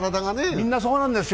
みんなそうなんですよ。